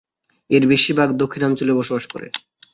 এর বেশিরভাগ দক্ষিণাঞ্চলে বসবাস করে।